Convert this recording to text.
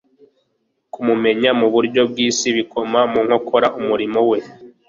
Kumumenya mu buryo bw'isi bikoma mu nkokora umurimo we.